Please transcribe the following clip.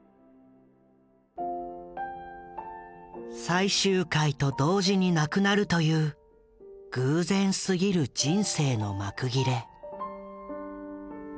最終回と同時に亡くなるという偶然すぎる人生の幕切れ。